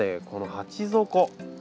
この鉢底。